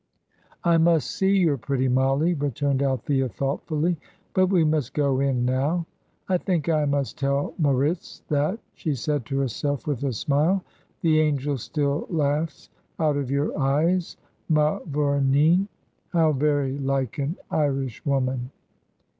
"I must see your pretty Mollie," returned Althea, thoughtfully; "but we must go in now." "I think I must tell Moritz that," she said to herself, with a smile. "'The angel still laughs out of your eyes, mavourneen.' How very like an Irishwoman!"